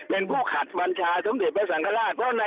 เป็นผู้ขัดบัญชาสมเด็จพระสังฆราช